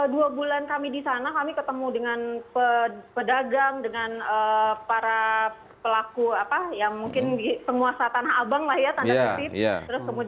dua bulan kami di sana kami ketemu dengan pedagang dengan para pelaku apa ya mungkin penguasa tanah abang lah ya tanda kutip